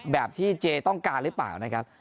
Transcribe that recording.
แบบที่เจต้องการหรือเปล่านะครับ